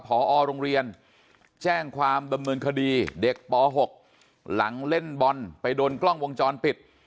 พอโรงเรียนแจ้งความดำเนินคดีเด็กป๖หลังเล่นบอลไปโดนกล้องวงจรปิด